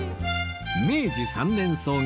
明治３年創業